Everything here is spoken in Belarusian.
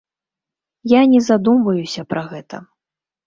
Я не задумваюся пра гэта.